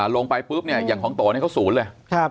อ่าลงไปปุ๊บเนี้ยอย่างของโตเนี้ยเขาศูนย์เลยใช่ครับ